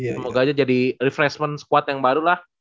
semoga aja jadi refreshment squad yang baru lah